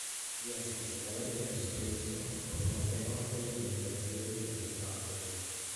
Li estis talenta instruisto por multenombraj generacioj da studantoj.